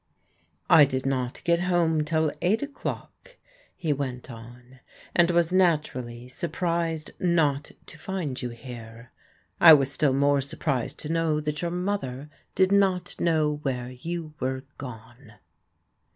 I did not get home till eight o'clock," he went on, and was naturally surprised not to find you here. I was still more surprised to know that your mother did not know where you were gone."